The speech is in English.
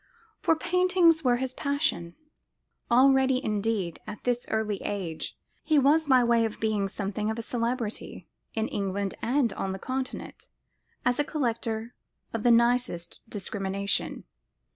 For paintings were his passion. Already, indeed, at this early age, he was by way of being something of a celebrity, in England and on the Continent, as a collector of the nicest discrimination.